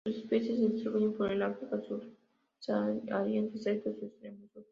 Sus especies se distribuyen por el África subsahariana, excepto su extremo sur.